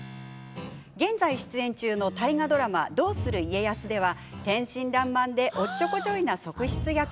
現在、出演中の大河ドラマ「どうする家康」では天真らんまんでおっちょこちょいな側室役。